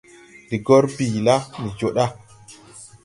Ndi gor bii la, ndi joo da.